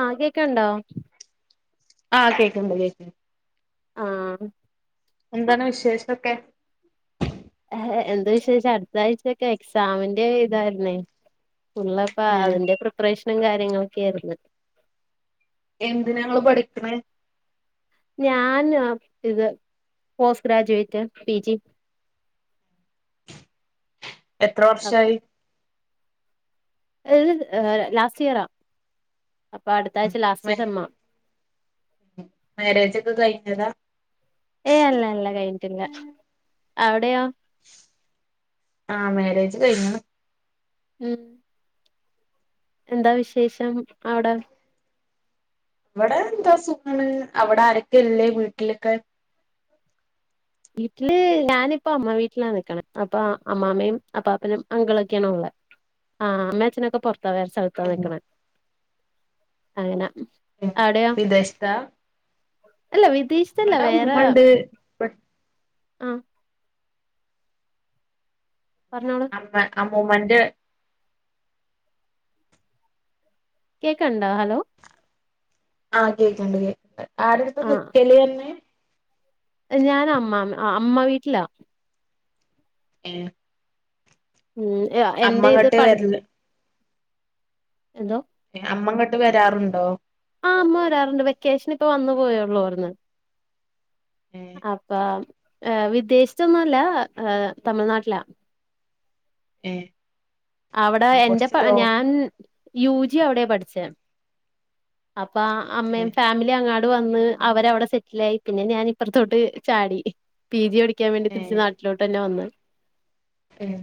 ആഹ് കേക്കണണ്ടോ? ആഹ് കേക്കിണ്ട് കേക്കിണ്ട്. ആഹ് എന്താണ് വിശേഷൊക്കെ? എന്ത്‌ വിശേഷം അടുത്താഴ്ച്ചയൊക്കെ എക്സാമിന്റെ ഇതായിരുന്നേ ഫുള്ളപ്പോ ഏഹ് അതിന്റെ പ്രിപ്പറേഷ നും കാര്യങ്ങളൊക്കൊയിരുന്നു. എന്തിനനാ ഇങ്ങള് പഠിക്കണേ? ഞാൻ ഇത് പോസ്റ്റ് ഗ്രാജുവേറ്റ് പിജി. എത്ര അപ്പ വർഷായി? ഇത് ലാസ്റ്റ് ഇയറാ. അപ്പോ അടുത്താഴ്ച ലാസ്റ്റ് സെമ്മാ. മാരേജോക്കെ കഴിഞ്ഞതാ ഏയ് അല്ല അല്ല കഴിഞ്ഞിട്ടില്ല അവിടെയോ ആ മാരേജ് കഴിഞ്ഞ ഉം എന്താ വിശേഷം അവിടെ ഇവിടെ എന്താ സുഖാണ് അവിടെ ആരൊക്കെ ഇല്ലേ വീട്ടിലൊക്കെ വീട്ടില് ഞാനിപ്പൊ അമ്മ വീട്ടിലാ നിക്കണെ അപ്പൊ അമ്മാമ്മയും അപ്പാപ്പനും അങ്കിളൊക്കെയാണ് ഉള്ളേ ആ അമ്മേ അച്ഛനൊക്കെ പുറത് ത്ത വേറെ സ്ഥലത്താ ഉം നിക്കണേ അങ്ങന ഉം വിദേശത്താ അല്ല വിദേശത്തല്ല ഇവടെ വേറെ ഉമ്മണ്ട് ആ പറഞ്ഞോളൂ ആമ്മ ആം മ്മുമെൻ്റെ കേക്കണ്ടാ ഹലോ ആഹ് കേക്കണ്ട് കേൾക്ക ആര്ഡ്ത്തിന്ന നിക്കല് [unintelligible] ഞാന് അമ്മമ്മ അമ്മ വീട്ടിലാ ഏ ഉം എന്റെ ഇത് പഠ വര്ല് എന്തോ അമ്മങ്ങോട്ട് വരാറുണ്ടോ ആഹ് അമ്മ വരാറുണ്ട് വെക്കേഷനിപ്പ വന്നു പോയേയുള്ളു ഇവിടുന്ന് ഏഹ് അപ്പം ഏ വിദേശത്തൊന്നും അല്ല ഏ തമിഴ്നാട്ടിലാ ഏ അവിടെ എന്റപ്പാ ഞാൻ യു ജി അവിടെയാ പഠിച്ചേ അപ്പ ഏഹ് അമ്മയും ഫാമിലിയും അങ്ങ അവടെ വന്ന് അവരവിടെ സെറ്റിലായി പിന്നെ ഞാൻ ഇപ്പറത്തോട്ട് ചാടി പിജി പ പഠിക്കാൻ വേണ്ടി തിരി നാട്ടി ലടതന്ന വന്ന് ഉം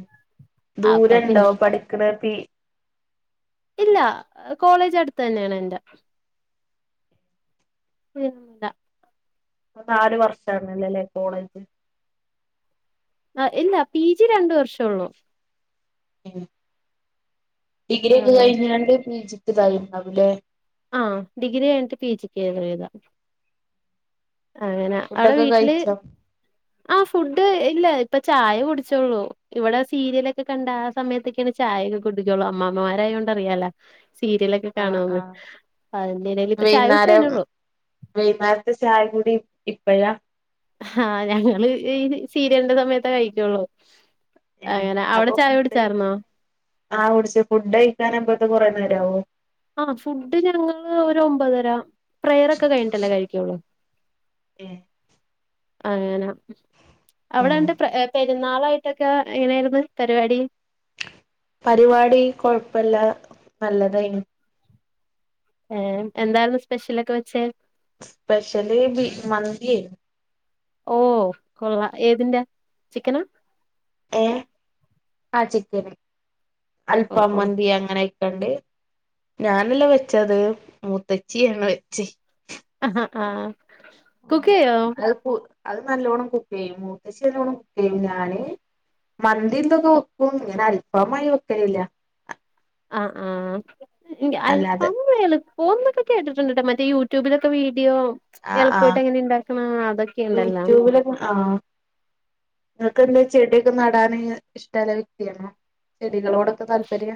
അപ്പൊ ദൂരം ഉണ്ടോ പിന്നെ പഠി [unintelligible] ഇല്ല കോളേജ് അടുത്ത് തന്നെയാണ് എന്റെ പിന്നെ ഇപ്പം നാലു വർഷാണല്ലല്ലേ കോളേജ് ആ ഇല്ല പി ജി രണ്ടു വർഷേ ഉള്ളൂ ഉമ് ഡിഗ്രി ഒക്കെ ആഹ് കഴിഞ്ഞോണ്ട് പി ജി [unintelligible] ആ ഡിഗ്രി കഴിഞ്ഞിട്ട് പിജിക്ക്‌ [unintelligible] അങ്ങനെ അവിടെ ഫുഡൊക്കെ വീട്ടില് കഴിച്ചോ ആഹ് ഫുഡ്‌ ഇല്ല ഇപ്പ ചായ കുടിച്ചേയുള്ളു ഇവിടെ സീരിയൽ ഒക്കെ കണ്ട് ആ സമയത്തൊക്കെയാണ് ചായയൊക്കെ കുടിക്കയുള്ളു അമ്മാമ്മമാരായൊണ്ട് അറിയാലോ സീരിയലൊക്കെ കാണുവോ [unintelligible] വൈകുന്നേരം വൈകുന്നേരത്തെ ചായ കൂടി ഇപ്പഴാ ആഹ് ഞങ്ങള് ഈ സീരിയലിന്റെ സമയത്തെ കഴിക്കയുള്ളു ഏഹ് അങ്ങനെ അവിടെ അപ്പൊ ചായ ഫുഡ് കുടിച്ചാരുന്നോ ആഹ് കുടിച്ച് ഫുഡ് കഴിക്കാറാവുമ്പഴ്ത്തെ കുറേ നേരാവും ആഹ് ഫുഡ് ഞങ്ങള് ഒരു ഒമ്പതര പ്രയർ ഒക്കെ കഴിഞ്ഞിട്ടല്ലേ കഴിക്കയുള്ളൂ ഏയ് അങ്ങനെ ആഹ് അവിടെന്ത്‌ [unintelligible] പേരുന്നാളായിട്ടൊക്കെ എങ്ങനെയായിരുന്നു പരിപാടി പരുപാടി കൊഴപ്പമില്ല നല്ലതായിരുന്നു ഏയ് എന്തായിരുന്നു സ്പെഷ്യലൊക്കെ വെച്ചേ സ്പെഷ്യല് ബീഫ് മന്തിയായിരുന്നു ഓ കൊള്ളാം ഏതിന്റെ ചിക്കന ഏ ആ ചിക്കന് ഓ ഓ അൽഫാംമന്തി അങ്ങനെ കണ്ട് ഞാനല്ല വെച്ചത് മൂത്തച്ചിയാണ് വെച്ച ഹഹഹ അത് പോ അത് നല്ലോണ്ണം കുക്ക് ചെയ്യും മുത്തച്ചി നല്ലോണം കുക്ക് ചെയ്യും ഞാന് മന്തിയൊക്കൊ വെക്കും ഇങ്ങനെ അൽഫമായി വെക്കലില്ല. ആഹ് ആഹ് അല്ലാതെ അൽഫാം എളുപ്പോ ന്നൊക്കെ കേട്ടിട്ട് ഉണ്ട് കേട്ടോ മറ്റ യൂട്യൂബിലൊക്കെ വീ ആ ആ അതൊക്കെ ഉണ്ടല്ലോ യൂട്യൂബിലൊ ആനിങ്ങക്ക് എന്താ ചെടിയക്കെ ന ടാന് ഇഷ്ടള്ള വ്യക്തിയണോ ചെടികളോടൊക്കെ താല്പര്യ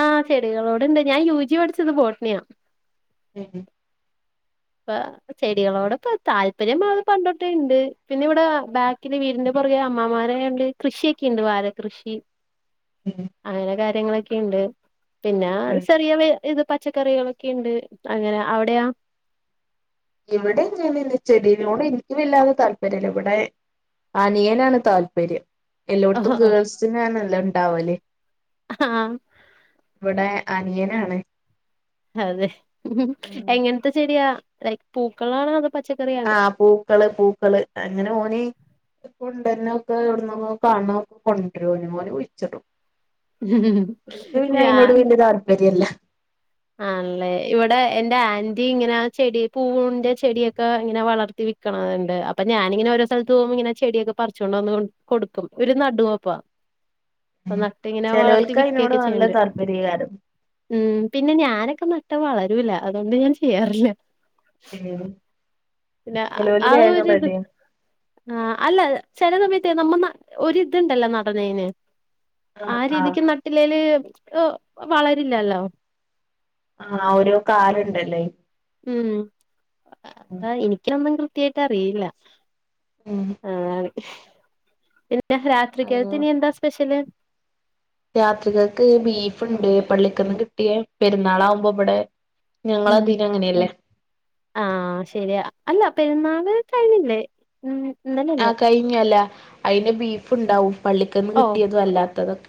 ആ ചെടികളോട്ണ്ട് ഞാൻ യുജി പഠിച്ചത് ബോട്ടണിയാ ഉം ഇപ്പ ചെടികളോടെ ഇപ്പ താല്പര്യംത് പണ്ടൊട്ടുണ്ട് പിന്നെ ഇവിടെ ബാക്കില് വീടിന്റെ പുറകെ അമ്മാരണ്ട് കൃഷിയൊക്കെണ്ട് വാഴ കൃഷി അങ്ങനെ ക ര്യങ്ങളൊക്കെ ഉണ്ട്. പിന്നെ ചെറിയ വേ ഇത് പച്ചക്കറികളൊക്കെ ഉണ്ട് അങ്ങനെ അവിടെയാ ഇവിടെങ്ങൻ ചെടികളോട് എനിക്ക് വല്ലാത താല്പര്യംല്ല ഇവിടെ അനിയനാണ് താല്പര്യം. എല്ലായിടത്തും ഗേൾസിനാണല്ലാ ഉണ്ടാവല് അഹ ആ ഇവിടെ അനിയനാണ്. അതെ എങ്ങനത്തെ ചെടിയാ തൈ പൂക്കളാണ അതാ ആ പൂക്കള് പൂക്കള് അങ്ങനെ ഓന് ഇപ്പണ്ടന്നെ ഒക്കെ എവിടന്ന് കാണ ഒക്കെ കൊണ്ടറും വിച്ചിട്ടും യാ ശരിയല്ല. ആണല്ലേ ഇവിടെ എന്റെ ആന്റി ഇങ്ങനെ ചെടി പൂവിന്റെ ചെടിയൊക്കെ ഇങ്ങനെ വളർത്തി വിക്കണണ്ട് അപ്പൊ ഞാനിങ്ങനെ ഓരോ സ്ഥലത്ത് പോ ഇങ്ങനെ ചെടിയൊക്കെ പറിച്ചുണ്ട വന്ന് കൊടുക്കും ഓരു നടുപ്പാ അപ്പ നട്ട ഇങ്ങനെ വളർത്തി ചെലോൽക്ക് അയിനോട് വിക്കൊക്കെ നല്ല ചെയ്യണ്ട് താല്പര്യയ്ക്കാരം ഉം പിന്നെ ഞാനൊക്കെ നട്ട വളരൂല്ല അതുകൊണ്ട് ഞാൻ ചെയ്യാറില്ല. പിന്നെ ചെലോല് ആ വേഗം ഒര്ത് റെഡിയാവും ആ അല്ല ചെല സമ നമ്മ ന ഒരിതുണ്ടല്ലോ നടനേന് ആ ആഹ് ആഹ് രീതിക്ക് നട്ടില്ലേല് വളരില്ലല്ലോ ആഹ ഒരു കാരുണ്ടല്ലേ ഉം എനിക്ക എന്തെങ്കിൽ റ്റിയായിട്ട് അറിയില്ല. ആഹ ഞാൻ രാത്രി കേൾത്തീനി എന്താ സ്പെഷ്യല് രാത്രികൾക്ക് ബീഫ്ുണ്ട് പള്ളിക്കൊന്ന് കിട്ടിയ പെരുന്നാൾാാവുമ്പോ ഇവിടെ ഉം ആഹ് ശരിയാ അല്ല പെരുന്നാള് കഴഞ്ഞില്ലേ ഉ ആഹ കഴിഞ്ഞല്ല അയിന് ബീഫ് ഉണ്ടാവും പള്ളിക്കന്ന് ഓ കിട്ടിയതും അല്ലാത്തതൊക്കെ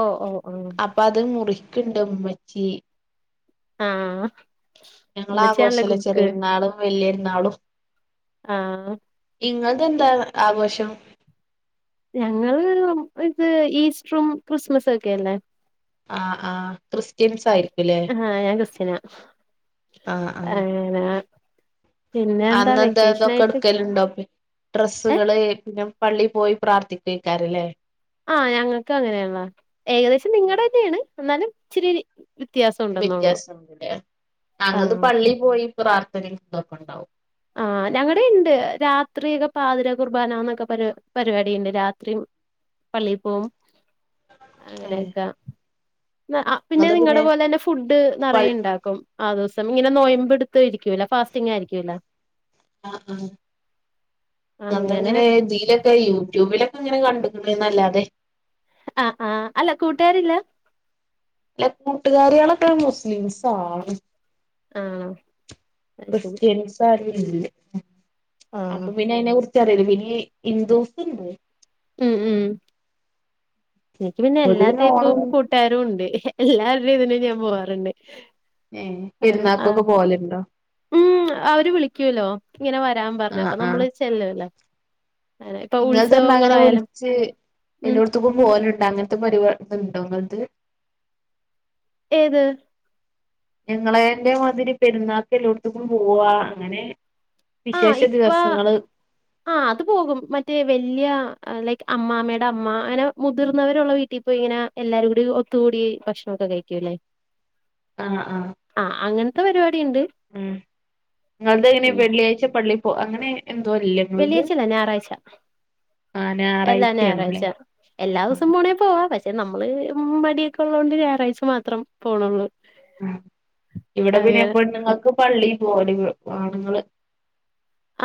ഓ ഓ ഓ അപ്പൊ അത് മുറി കിണ്ടമ്മച്ചി ആ ഞങ്ങള ഉമ്മച്ചിയാണല്ലേ ആഘോഷല്ല കുക്ക് ചെറിയ നാളും വലിയ നാളും ആഹ നിങ്ങതെന്താ ആഘോഷം ഞങ്ങള് ഇത് ഈസ്റ്ററും ക്രിസ്മസും ഒക്കെല്ലേ ആ ആ ക്രിസ്ത്യൻസ് ആയിരിക്കും ആഹ ാഗസ്ിനാ ആഹ അന്നെന്തതൊക്കെ എടുക്കലുണ്ടോ ഏ ഡ്രെസ്സുകള് പിും പള്ളി പോയി പ്രാർത്ഥിക്കക്കാാരല്ലേ ആഹ ഞങ്ങൾക്ക് അങ്ങനെയുള്ള ഏകദേശം നിങ്ങളുടെ തന്നെയാണ് എന്നാലും ശരിരി വ്യത്യാസംടെ താങ്കൾത് ആഹ് പള്ളി പോയി ർ തപ്പണ്ടാവ ആഹ ഞങ്ങളടെ ഉണ്ട് രാത്രിയൊക്കെ പാതിര കുർബാനന്നൊക്കെ പരി പരിപാടി ഉണ്ട് രാത്രി പള്ളിയിൽ പോകവും ഏഹ് അങ്ങനെയൊക്കെ പിന്നെ നിങ്ങളുടെ പോലെ തന്നെ ഫുഡ് പൾ നിറയെ ഉണ്ടാക്കും ആ ദ ഇനെ നോയമ്പ്ടുത്ത ആരിക്കൂല്ല ഫാസ്റ്റിംഗ ആയിരിക്കൂല്ല ആ ആ അങ്ങനെ അന്തെങ്ങനെ ഇതിലൊക്കെ യൂട്യൂബിലൊക്കെ അങ്ങനെ കണ്ട് [unintelligible] ന്നല്ലാതെ ആ ആ അല്ല കൂട്ടുകാരില്ല അല്ല കൂട്ടുകാരിയാളോക്കെ മുസ്ലിംസ് ആണ് ആണോ അത് ശരി ക്രിസ്ത്യൻസ് [unintelligible] അപ്പൊ ആഹ് പിന്നെ അയ്നെകുറി ക്കറിയില്ല ഹിന്ദുസുണ്ട് ഉം ഉം എനിക്ക് പിന്നെ ഓല് എല്ലാ ടൈപ്പും ഓണം കൂട്ടുകാരും ഉണ്ട് എല്ലാ [unintelligible] ഇതിന് ഞാൻ പോവാറുണ്ട് ഏഹ് ആ പെരുന്നാക്കൊക്കെ പോവലുണ്ടോ ഉം അവര് വിളിക്കൂല്ലോ ഇങ്ങനെ വരാൻ പറഞ്ഞു ആഹ് അപ്പൊ ആഹ് നമ്മള് ചെല്ലൂല്ലേ ഇപ്പൊ ഇങ്ങൾതെന്താ ഉത്സവങ്ങ അങ്ങനെ വിളിച്ച് എല്ലോട്ത്ക്കും പോകല്ണ്ട് അങ്ങനത്തെ പരിവ ണ്ടോങ്ങൾത് ഏത് ഞങ്ങളെന്റെ മാതിരി പെരുന്നാൾക്ക് എല്ലോട്ത്തക്കും പോവാ അങ്ങനെ ആ വിശേഷ ഇപ്പ ദിവസങ്ങള് ആ അത് പോകും മറ്റേ വല്ല്യ ലൈക്ക് അമ്മാമ്മയുടെ അമ്മ അങ്ങനെ മുതിർന്നവരുള്ള വീട്ടിൽപോയി ഇങ്ങനെ എല്ലാരും കൂടി ഒത്തുകൂടി ഭക്ഷണൊക്കെ കഴിക്കൂല്ലേ ആഹ് ആഹ് ആ അങ്ങ ത പരിപടി ഉം ഇങ്ങൾതെങ്ങനെ വെള്ളിയാഴച്ച പള്ളി പോ അങ്ങനെ എന്തോ അല്ലേ ഇങ്ങൾത് വെള്ളിയാഴ്ല്ല ഞായറാഴ്ച ആഹ് എല്ലാ ഞായറാഴ്ച ഞായറാഴ്ചയാണല്ലേ എല്ലാ ദിവസം ആഹ് പോണേ പോവാ പ ക്ഷെ നമ്മള് മടിയൊക്കെ ഉള്ളത കൊണ്ട് ഞായറാഴ്ച മാത്രം പോണുള്ളൂ ഇവിടെ അങ്ങനെ പിന്നെപെണ്ണുങ്ങൾക്ക് പള്ളി പോവ ആണുങ്ങൾ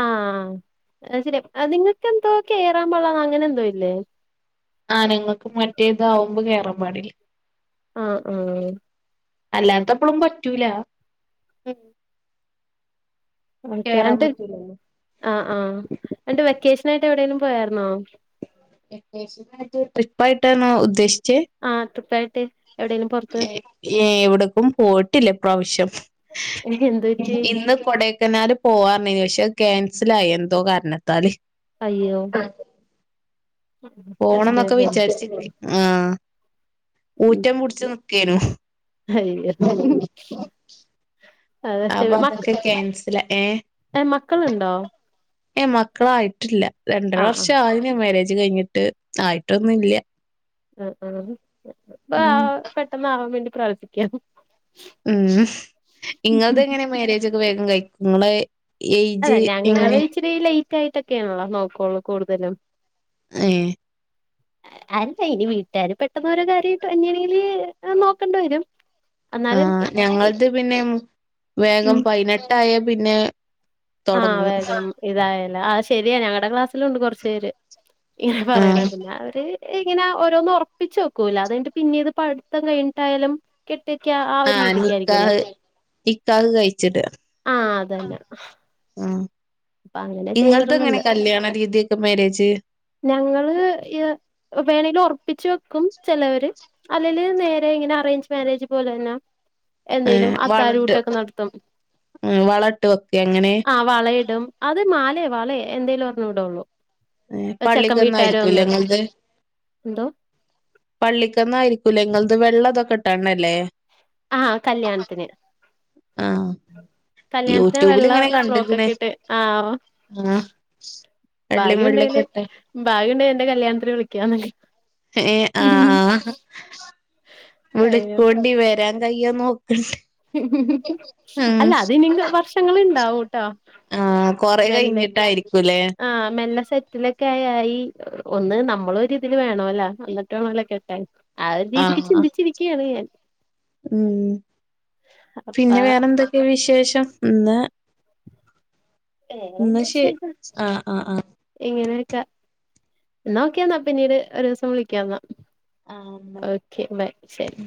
ആഹ നിങ്ങൾക്കെന്തോ കേറാൻ പാടില്ല അങ്ങനെ എന്തോ ഇല്ലേ ആ ഞങ്ങൾക്ക് മറ്റേതാവുമ്പോ കേയറൻ പാടില്ല ആ ആ ഉം റ്റൂല ഉം ഓക്കെ കേറാൻ ന്നിട്ട് പറ്റൂല ആ ആ എന്നിട്ട് വെക്കേഷൻ ആയിട്ട് എവിടേലും പോയരുന്നോ വെക്കേഷനായിട്ട് ട്രിപ്പായിട്ടണോ ഉദ്ദേശി ആ ട്രിപ്പായി ട്ടേ ഏ എവിടക്കും പോയിട്ടില്ലേ ഈ പ്രാവശ്യം എന്ത് പറ്റി ഇന്ന് കൊട ക്കനാൽ പോവപറഞ്ഞിനി പക്ഷെ അത് ക്യാൻസൽ ആയി എന്തോ കാരണത്താല് അയ്യോ പോണം ഫസ്റ്റ് എന്നൊക്കെ ടൈം. വിചാരിച്ചി ആഹ ഊറ്റം പിടിച്ച ക്കുന അയ്യോ അതേ മ ഏ മക്കളുണ്ടോ ഏ മക്കളായിട്ടില്ല രണ്ടര ആ ആ വർഷം ആയി മേരേജ് കഴിഞ്ഞിട്ട് ആയിട്ടൊന്നും ഇല്ല അ ആ പെട്ടെന്ന് ആവാൻ വേണ്ടി പ്രാർത്തിക്കാം ഉം ഇങ്ങത് എങ്ങനെ മാരേജ ഒക്കെ വേഗം കഴിക്കും നിങ്ങെ ഏജ് എങ്ങനെ കായിട്ടൊക്കെയാണള്ളോ നോക്കുള്ളൂ കൂടുതലും ഏ അല്ല ഇനി വീട്ടുകാര് പെട്ടെന്നോരോ കാര്യമായിട്ടും എങ്ങാണെങ്കില് നോക്കണ്ട വരും എന്നാലും ആഹ ഇ- ഞങ്ങളത് ഇ- പിന്നെ വേഗം പതിനെട്ടായ പിന്നെ ആഹ തൊടങ്ങും വേഗം ഇതായ അ ശരിയ ഞങ്ങളടെ ക്ലാസ്സിലുണ്ട് കുറച്ച പേര് ഇങ്ങനെ പറയണ ആഹ് പിന്നെ അവര് ഇങ്ങനെ ഓരോന്നും ഉറപ്പിച്ച് വെക്കൂല്ല അത കഴിഞ്ഞിട്ട് പിന്നീടു ഇത് പഠിത്തം കഴിഞ്ഞിട്ടായാലും കെട്ടിക്ക ആഹ് ഒരു ആഹ രീതിക്കായിരിക്കുവല്ലോ നിക്കാഹ് നിക്കാഹ് കഴിച്ചിട്ട ആഹ് അതന്നെ ആഹ അപ്പൊ അങ്ങനെ ചെയ്തിള്ളുണ്ട് രീതിയൊക്കെ മാരേജ് ഞങ്ങള് വേണെലും ഉറപ്പിച്ച് വെക്കും ചിലവര് അല്ലെലു നേരെ ഇങ്ങനെ അറേഞ്ച് മാരേജ് പോലെ തന്നെ എന്തേലും ഏർ വളട്ട് അത്താഴൂട്ടൊക്കെ നടത്തും ഉ വളട്ട് ഒക്കെ എങ്ങനെ മാലയേ വളയെ എന്തേലും ഒരെണ്ണം ഇടോള്ളൂ. ഏ പള്ളിക്ക്ന്നായിരിക്കൂല്ല നിങ്ങൾത്. എന്തോ? പള്ളിക്കന്ന് ആയിരിക്കൂലെ നിങ്ങൾത് വെള്ള ഇതൊക്കെ ഇട്ടണല്ലേ. ആ കല്യാണത്തിന്, ആഹ് കല്യാണത്തിന് യൂട്യൂബിൽ വെള്ള ഇങ്ങനെ ഫ്രോക്ക് കണ്ട്ക്ക്ണ് ഒക്കെ ഇട്ട് ആ ആഹ് വെള്ളിം ഭാഗ്യ ഉണ്ടെല് വെള്ളൊക്കെ ഇട്ട് ഭാഗ്യയുണ്ട എന്റെ കല്യാണത്തിന് വിളിക്കാമ ഏ ആ ആ അയ്യോ [unintelligible] വരാൻ. [unintelligible] ഉം അല്ല അതിനിയും വർഷങ്ങൾ ഇണ്ടാവും. ട്ടാ. ആ കൊറെ കഴിഞ്ഞിട്ടായിരിക്കൂ ല്ലെ ആഹ് മെല്ലെ സെറ്റിലൊക്കെ ആയി ഒന്ന് നമ്മള് ഒരു രിതിൽ വേണല്ലാ അന്നിട്ട് വേണലാക്കെട്ടാ ആ ഉ അപ്പ പിന്നെ വേറെന്തൊക്കെയാ വിശേഷം പിന്നെ എന്ന വേറെന്താ ശെ ശരി ആ ആ ആ ഇങ്ങനെയൊക്കെ എന്നാ ഓക്കെയന്നാ പിന്നീട് ഒരു ദിവസം വിളിക്കന്നാ. ആഹ് ബൈ. ഓക്കെ ബൈ ശരി